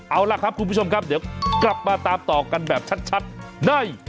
เอาล่ะครับคุณผู้ชมครับเดี๋ยวกลับมาตามต่อกันแบบชัดใน